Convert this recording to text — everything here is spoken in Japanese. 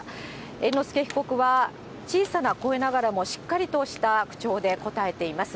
猿之助被告は、小さな声ながらも、しっかりとした口調で答えています。